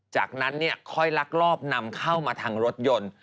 จากนั้นค่อยลักลอบนำเข้ามาทางรถยนต์